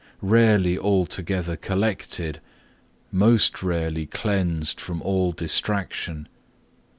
Rarely altogether collected, most rarely cleansed from all distraction.